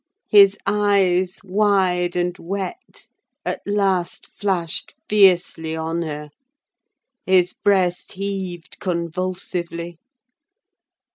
His eyes, wide and wet, at last flashed fiercely on her; his breast heaved convulsively.